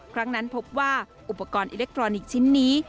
ครั้งนั้นพบว่าอุปกรณ์อิเล็กทรอนิกส์ชิ้นนี้